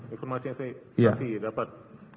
informasi yang saya saksi dapat